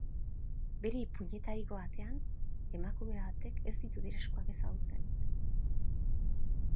Bere ipuinetariko batean, emakume batek ez ditu bere eskuak ezagutzen.